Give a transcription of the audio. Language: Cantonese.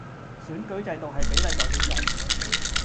選舉制度係比例代表制